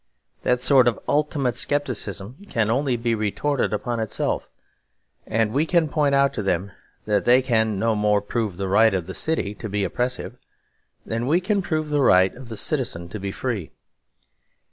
That sort of ultimate scepticism can only be retorted upon itself, and we can point out to them that they can no more prove the right of the city to be oppressive than we can prove the right of the citizen to be free.